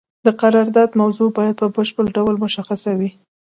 د قرارداد موضوع باید په بشپړ ډول مشخصه وي.